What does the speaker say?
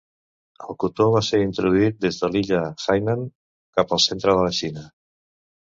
El cotó va ser introduït des de l'illa Hainan cap al centre de la Xina.